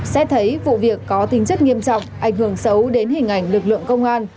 xét thấy vụ việc có tính chất nghiêm trọng ảnh hưởng xấu đến hình ảnh lực lượng công an